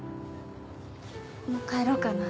もう帰ろうかな。